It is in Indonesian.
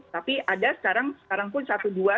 tapi ada sekarang sekarang pun satu dua sudah ada